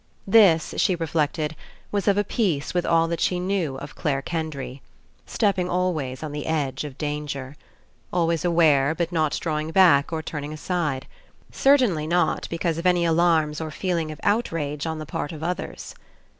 This, she reflected, was of a piece with all that she knew of Clare Kendry. Stepping al ways on the edge of danger. Always aware, but not drawing back or turning aside. Certainly not because of any alarms or feeling of outrage on the part of others.